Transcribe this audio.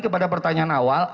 kepada pertanyaan awal